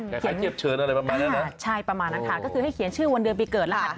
คล้ายเทียบเชิญอะไรประมาณนั้นนะใช่ประมาณนั้นค่ะก็คือให้เขียนชื่อวันเดือนปีเกิดแล้วกัน